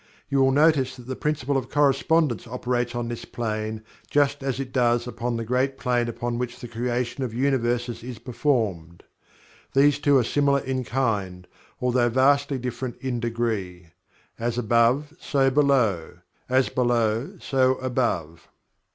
You will notice that the Principle of Correspondence operates on this plane just as it does upon the great plane upon which the creation of Universes is performed. The two are similar in kind, although vastly different in degree. "As above, so below; as below, so above."